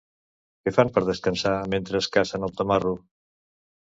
Què fan per descansar mentre cacen al Tamarro?